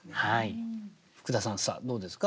福田さんさあどうですか？